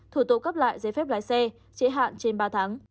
thủ tục cấp lại giấy phép lái xe trễ hạn trên ba tháng